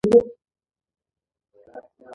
شپوله د پله تر څنګ لویه مېله ده او ډېر خلک راځي.